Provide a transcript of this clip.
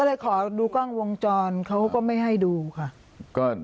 ก็เลยขอดูกล้องวงจรเขาก็ไม่ให้ดูค่ะ